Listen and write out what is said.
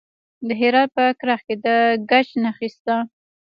د هرات په کرخ کې د ګچ نښې شته.